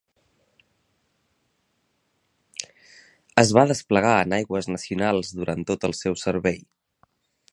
Es va desplegar en aigües nacionals durant tot el seu servei.